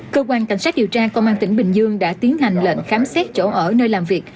cơ quan cảnh sát điều tra công an tỉnh bình dương đã tiến hành lệnh khám xét chỗ ở nơi làm việc